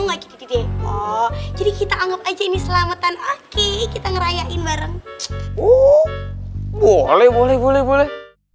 enggak jadi kita anggap aja ini selamatan oke kita ngerayain bareng oh boleh boleh boleh boleh